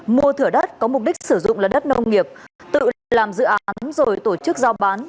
mua thửa đất có mục đích sử dụng là đất nông nghiệp tự làm dự án rồi tổ chức giao bán